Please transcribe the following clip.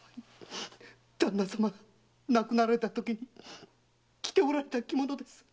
旦那様が亡くなられたときに着ておられた着物です。